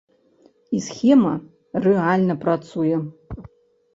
І схема рэальна працуе.